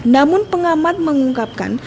namun pengamat mengungkapkan